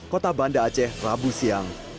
kota banda aceh rabu siang